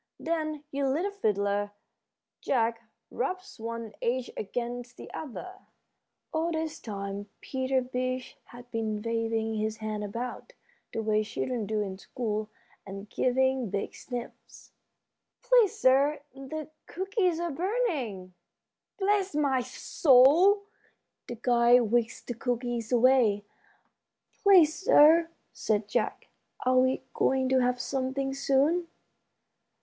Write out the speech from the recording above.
Then your little fiddler, Jack, rubs one edge against the other." All this time Peter Beech had been waving his hand about, the way children do in school, and giving big sniffs. "Please, sir, the cookies are burning." "Bless my soul!" The guide whisked the cookies away. "Please, sir," said Jack, "are we going to have something soon?"